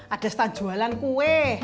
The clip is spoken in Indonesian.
ada stan jualan kue